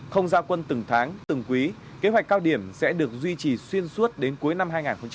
không giao quân từng tháng từng quý kế hoạch cao điểm sẽ được duy trì xuyên suốt đến cuối năm hai nghìn hai mươi